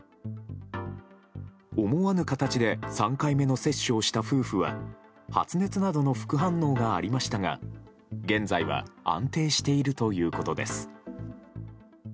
思わぬ形で３回目の接種をした夫婦は発熱などの副反応がありましたが現在は安定しているということです。